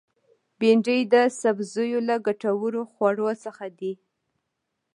بېنډۍ د سبزیو له ګټورو خوړو څخه ده